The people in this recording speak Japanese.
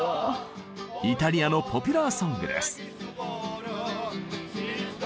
イタリアのポピュラーソングです。